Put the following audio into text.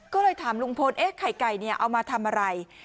ก็เลยถามลุงพลเอ๊ะไข่ไก่เนี่ยเอามาทำอะไร